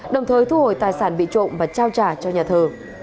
đồng thời thu hồi tài sản bị trộm và trao trả cho nhà thờ